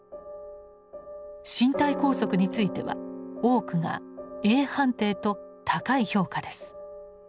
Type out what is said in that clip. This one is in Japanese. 身体拘束については多くがａ判定と高い評価です。